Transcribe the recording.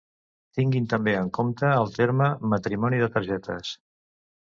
Tinguin també en compte el terme "Matrimoni de targetes".